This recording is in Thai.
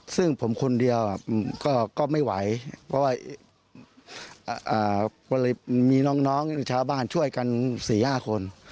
ซึ่งผมคนเดียวก็ไม่ไหวเพราะว่ามีน้องหรือชาวบ้านช่วยกัน๔๕คน